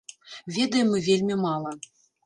Ведаем мы вельмі мала.